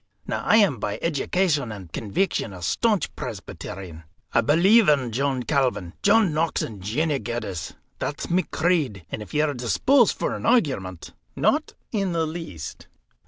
Now, I am by education and conveection a staunch Presbyterian. I believe in John Calvin, John Knox, and Jeannie Geddes. That's my creed; and if ye are disposed for an argument " "Not in the least."